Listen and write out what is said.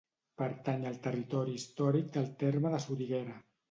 Pertany al territori històric del terme de Soriguera.